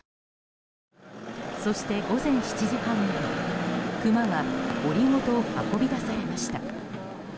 そして午前７時半ごろクマは檻ごと運び出されました。